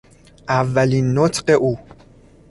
اولین نطق او